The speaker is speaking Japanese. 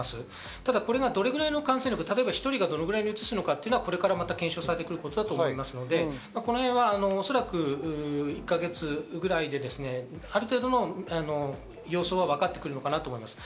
ただこれがどれぐらいの感染力、１人がどれぐらいにうつすかは、これからまた検証されていくことだと思うので、おそらく１か月ぐらいである程度の様子はわかってくるかなと思います。